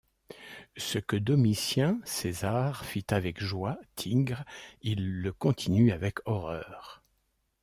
Ce que Domitien, césar, fit avec joie, Tigre, il le continue avec horreur.